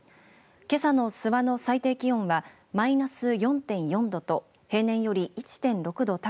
けさの諏訪の最低気温はマイナス４．４度と平年より１．６度